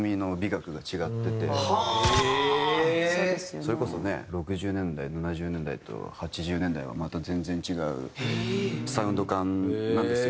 それこそね６０年代７０年代と８０年代はまた全然違うサウンド感なんですよ